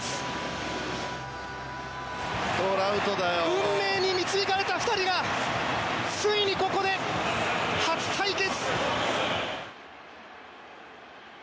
運命に導かれた２人がついに、ここで初対決。